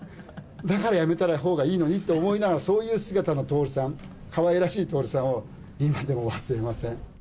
だからやめたほうがいいのにって思いながら、そういう姿の徹さん、かわいらしい徹さんを今でも忘れません。